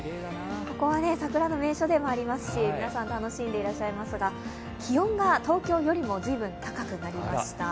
ここは桜の名所でもありますし皆さん、楽しんでいらっしゃいますが、気温が東京よりも随分高くなりました。